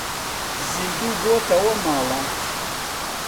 زیندوو بۆتەوە ماڵات